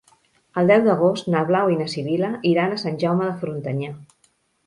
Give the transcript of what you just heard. El deu d'agost na Blau i na Sibil·la iran a Sant Jaume de Frontanyà.